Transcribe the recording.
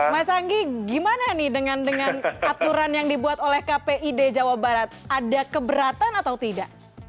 mas anggi gimana nih dengan aturan yang dibuat oleh kpid jawa barat ada keberatan atau tidak